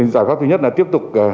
thì giải pháp thứ nhất là tiếp tục